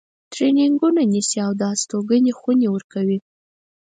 ترینینګونه نیسي او د استوګنې خونې ورکوي.